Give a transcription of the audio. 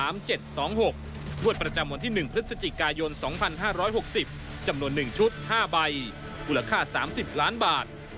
งวดประจำวันที่๑พฤศจิกายน๒๕๖๐จำนวน๑ชุด๕ใบมูลค่า๓๐ล้านบาท